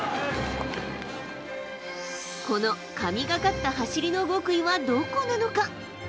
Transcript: この神がかった走りの極意はどこなのか。